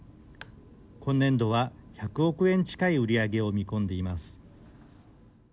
今年度は１００億円近い売り上げを見込んでいます。